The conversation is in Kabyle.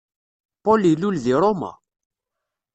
Paul ilul di Roma.